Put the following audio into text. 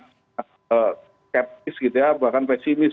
skeptis gitu ya bahkan pesimis